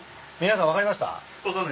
皆さん分かりました？